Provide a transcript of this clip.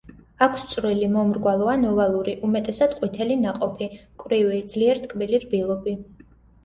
აქვს წვრილი, მომრგვალო ან ოვალური, უმეტესად ყვითელი ნაყოფი, მკვრივი, ძლიერ ტკბილი რბილობი.